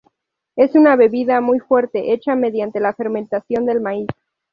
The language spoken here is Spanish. Es una bebida muy fuerte hecha mediante la fermentación del maíz.